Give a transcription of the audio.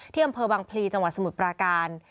อำเภอบังพลีจังหวัดสมุทรปราการ